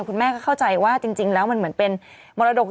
คุณแม่ก็เข้าใจว่าจริงแล้วมันเหมือนเป็นมรดก